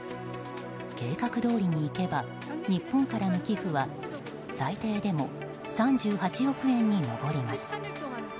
計画どおりにいけば日本からの寄付は最低でも３８億円に上ります。